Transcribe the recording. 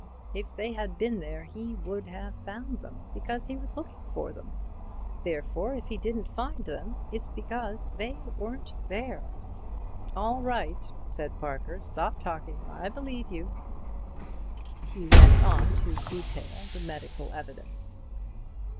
If they had been there he would have found them, because he was looking for them. Therefore, if he didn't find them it's because they weren't there." "All right," said Parker, "stop talking. I believe you." He went on to detail the medical evidence.